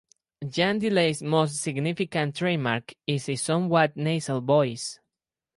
Jan Delay's most significant trademark is his somewhat nasal voice.